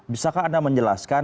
bisakah anda menjelaskan